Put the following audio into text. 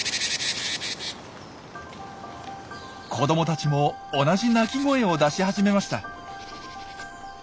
子どもたちも同じ鳴き声を出し始めました。